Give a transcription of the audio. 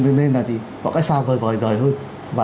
lúc đó thì họ cái xa vời vời rời hơn và